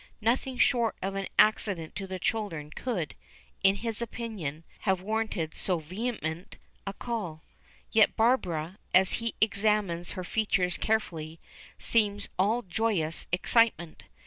Nothing short of an accident to the children could, in his opinion, have warranted so vehement a call. Yet Barbara, as he examines her features carefully, seems all joyous excitement.